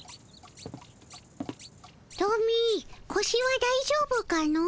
トミーこしはだいじょうぶかの？